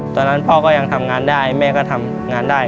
ตอนนั้นพ่อก็ยังทำงานได้แม่ก็ทำงานได้